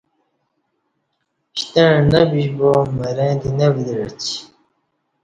شتںݩع نہ بِشبا مرں دی نہ ودعہ